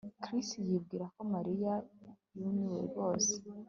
Chris yibwira ko Mariya yumiwe rwose